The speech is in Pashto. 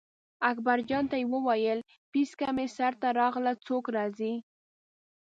اکبرجان ته یې وویل پیڅکه مې سر ته راغله څوک راځي.